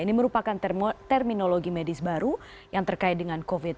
ini merupakan terminologi medis baru yang terkait dengan covid